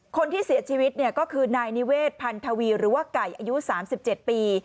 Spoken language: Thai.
คนที่เสียชีวิตก็คือนายนิเวศพันธวีหรือว่าไก่อายุ๓๗ปี